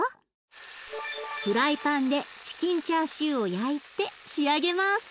フライパンでチキンチャーシューを焼いて仕上げます。